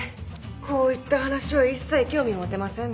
こういった話は一切興味持てませんね。